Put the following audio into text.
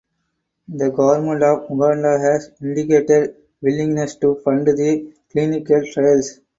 The government of Uganda has indicated willingness to fund the clinical trials.